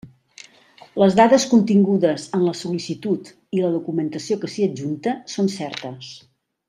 Les dades contingudes en la sol·licitud i la documentació que s'hi adjunta són certes.